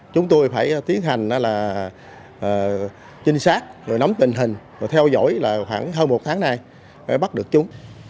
chúng tôi phải tiến hành chính xác nắm tình hình theo dõi khoảng hơn một tháng nay để bắt được chúng